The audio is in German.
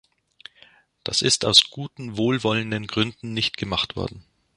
Das ist aus guten, wohlwollenden Gründen nicht gemacht worden.